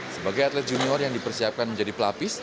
sebagai atlet junior yang dipersiapkan menjadi pelapis